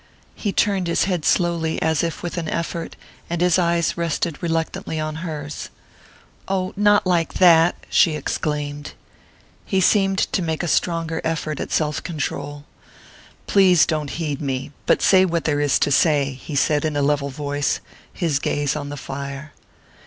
He turned his head slowly, as if with an effort, and his eyes rested reluctantly on hers. "Oh, not like that!" she exclaimed. He seemed to make a stronger effort at self control. "Please don't heed me but say what there is to say," he said in a level voice, his gaze on the fire.